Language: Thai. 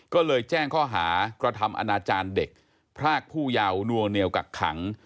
ก็เลยแจ้งข้อหากระทำอนาจารย์เด็กพรากผู้เยาว์วงเหนียวกักขัง